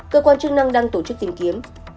cơ quan chức năng đang tổ chức tìm kiếm